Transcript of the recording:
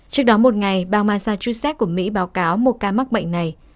trước đó một ngày bang mazachusett của mỹ báo cáo một ca mắc bệnh này